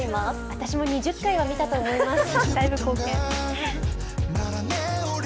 私も２０回は見たと思います。